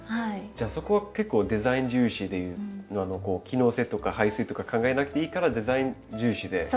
じゃあそこは結構デザイン重視で機能性とか排水とか考えなくていいからデザイン重視で。